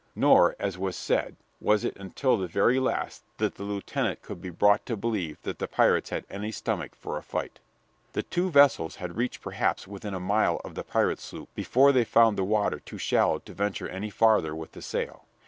Nor, as was said, was it until the very last that the lieutenant could be brought to believe that the pirates had any stomach for a fight. The two vessels had reached perhaps within a mile of the pirate sloop before they found the water too shallow to venture any farther with the sail.